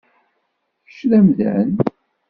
Kečč d amdan.